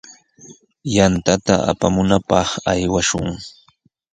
Yantata apamunapaq aywashun.